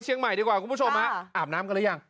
เชียงใหม่ดีกว่าคุณผู้ชมฮะอาบน้ำกันหรือยัง